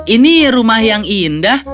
ini rumah yang indah